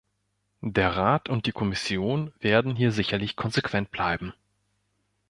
Der Rat und die Kommission werden hier sicherlich konsequent bleiben.